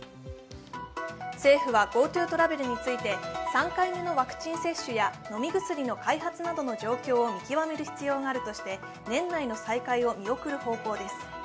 政府はＧｏＴｏトラベルについて、３回目のワクチン接種や飲み薬の開発などの状況を見極める必要があるとして年内の再開を見送る方向です。